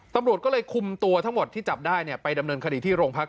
ตำรวจก็เลยคุมตัวทั้งหมดที่จับได้ไปดำเนินคดีที่โรงพัก